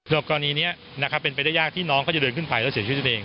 กรณีนี้นะครับเป็นไปได้ยากที่น้องเขาจะเดินขึ้นไปแล้วเสียชีวิตตัวเอง